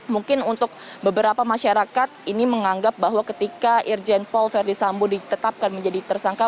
mungkin untuk beberapa masyarakat ini menganggap bahwa ketika irjen paul verdi sambo ditetapkan menjadi tersangka